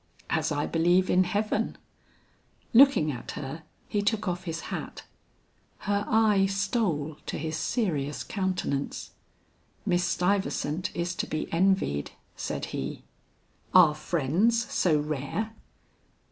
"As I believe in heaven." Looking at her, he took off his hat. Her eye stole to his serious countenance. "Miss Stuyvesant is to be envied," said he. "Are friends so rare?"